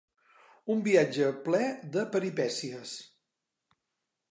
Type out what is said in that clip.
Un viatge ple de peripècies.